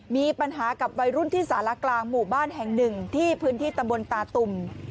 มีปัญหากับวัยรุ่นที่สารกลางหมู่บ้านแห่งหนึ่งที่พื้นที่ตำบลตาตุ่ม